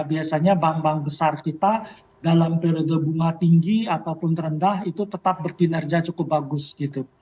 biasanya bank bank besar kita dalam periode bunga tinggi ataupun terendah itu tetap berkinerja cukup bagus gitu